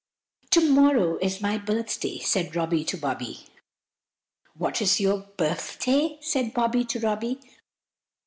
"TO MORROW is my birthday!" said Robby to Bobby. "What is your birfday?" said Bobby to Robby.